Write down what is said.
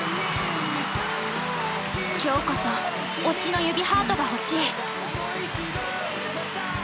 今日こそ推しの指ハートが欲しい！